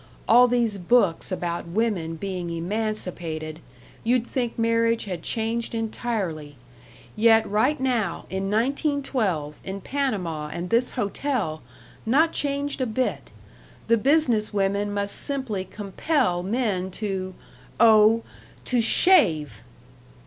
All these books about women being emancipated you'd think marriage had changed entirely. Yet, right now, in 1912, in Panama and this hotel not changed a bit. The business women must simply compel men to oh, to shave!"